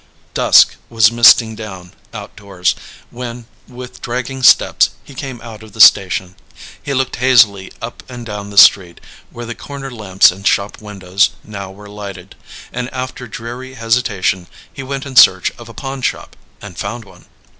Dusk was misting down, outdoors, when with dragging steps he came out of the station. He looked hazily up and down the street, where the corner lamps and shop windows now were lighted; and, after dreary hesitation, he went in search of a pawn shop, and found one.